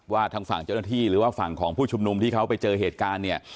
ทางฝั่งเจ้าหน้าที่หรือว่าฝั่งของผู้ชุมนุมที่เขาไปเจอเหตุการณ์เนี่ย